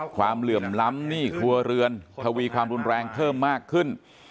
เหลื่อมล้ำหนี้ครัวเรือนทวีความรุนแรงเพิ่มมากขึ้น